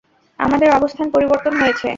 আমাদের অবস্থান পরিবর্তন হয়েছে!